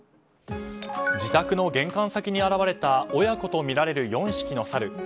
自宅の玄関先に現れた親子とみられる４匹のサル。